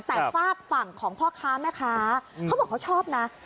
แต่ฝากฝั่งของพ่อค้าแม่ค้าเขาบอกเขาชอบนะ